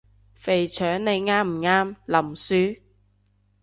肥腸你啱唔啱？林雪？